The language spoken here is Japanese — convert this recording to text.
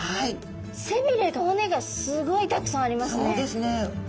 背びれと骨がすごいたくさんありますね。